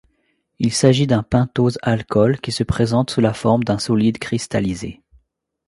Il s'agit d'un pentose alcool qui se présente sous la forme d'un solide cristallisé.